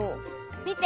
見て！